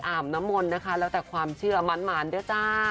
น้ำมนต์นะคะแล้วแต่ความเชื่อหมานด้วยจ้า